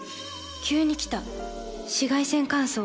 急に来た紫外線乾燥。